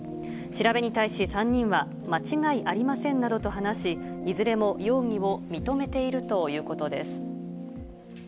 調べに対し３人は、間違いありませんなどと話し、いずれも容疑を認めているということです。